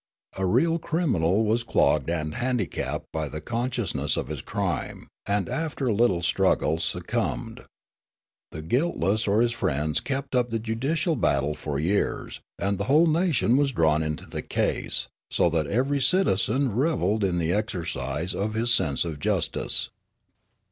A real criminal was clogged and handicapped by the con sciousness of his crime, and after a little struggle suc cumbed. The guiltless or his friends kept up the judicial battle for years, and the whole nation was drawn into the case, so that every citizen revelled in the exercise of his sense of justice.